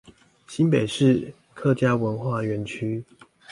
新北市客家文化園區